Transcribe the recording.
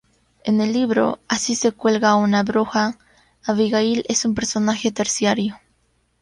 En el libro Así se cuelga a una bruja Abigail es un personaje terciario.